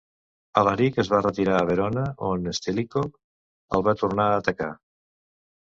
Alaric es va retirar a Verona, on Stilicho el va tornar a atacar.